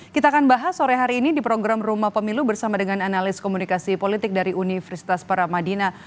kita akan bahas sore hari ini di program rumah pemilu bersama dengan analis komunikasi politik dari universitas paramadina